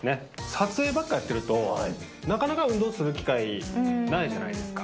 撮影ばっかやってると、なかなか運動する機会ないじゃないですか。